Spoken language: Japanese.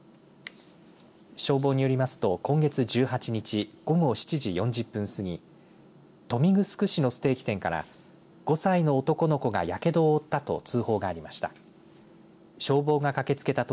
消防によりますと、今月１８日午後７時４０分過ぎ豊見城市のステーキ店から５歳の男の子がやけどを負ったと通報がありました。